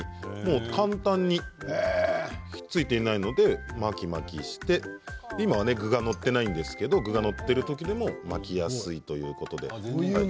簡単に、ひっついていないので巻き巻きして今は具が載っていないんですけれども具が載っている時でも巻きやすいということです。